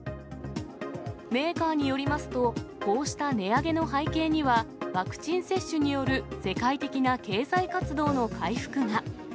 メーカーによりますと、こうした値上げの背景には、ワクチン接種による世界的な経済活動の回復が。